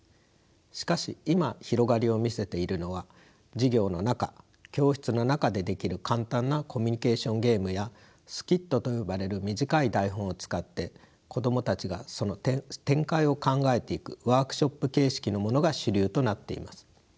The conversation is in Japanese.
しかし今広がりを見せているのは授業の中教室の中でできる簡単なコミュニケーションゲームやスキットと呼ばれる短い台本を使って子供たちがその展開を考えていくワークショップ形式のものが主流となっています。